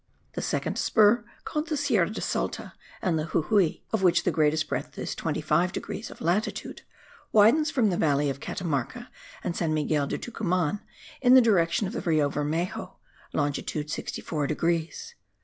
The second spur, called the Sierra de Salta and the Jujui, of which the greatest breadth is 25 degrees of latitude, widens from the valley of Catamarca and San Miguel del Tucuman, in the direction of the Rio Vermejo (longitude 64 degrees).